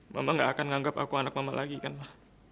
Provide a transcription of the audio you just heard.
mama gak akan menganggap aku anak mama lagi kan mah